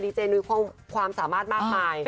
เจนุ้ยความสามารถมากมาย